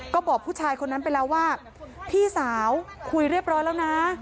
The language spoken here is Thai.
ก็บอกผู้ชายคนนั้นไปแล้วว่าพี่สาวคุยเรียบร้อยแล้วนะ